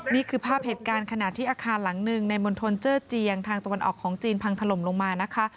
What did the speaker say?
นี่คือภาพเหตุการณ์ขณะที่อาคารหลังหนึ่งในมณฑลเจอร์เจียงทางตะวันออกของจีนพังถล่มลงมานะคะ